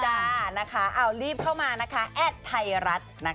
จ้านะคะอ่าวรีบเข้ามานะคะแอดไทยรัฐนะคะ